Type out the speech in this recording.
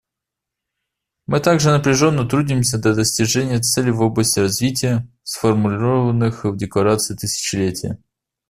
Мы также напряженно трудимся для достижения целей в области развития, сформулированных в Декларации тысячелетия.